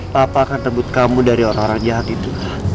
papa akan tembut kamu dari orang orang jahat itu